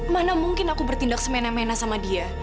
mana mungkin aku bertindak semena mena sama dia